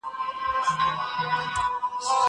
کېدای سي زه سبا درس ولولم؟!